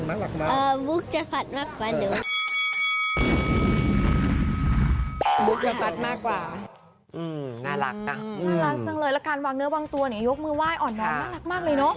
น่ารักจังเลยและการวางเนื้อวางตัวยกมือว่ายอ่อนน้องน่ารักมากเลยเนอะ